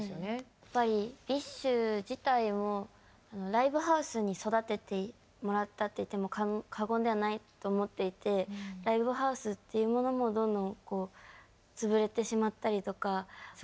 やっぱりＢｉＳＨ自体もライブハウスに育ててもらったと言っても過言ではないと思っていてライブハウスっていうものもどんどん潰れてしまったりとかすごく苦しくて。